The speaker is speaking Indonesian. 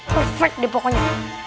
perfect deh pokoknya